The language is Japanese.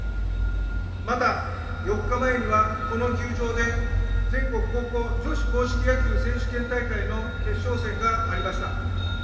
また、４日前にはこの球場で全国高校女子硬式野球選手権大会の決勝戦がありました。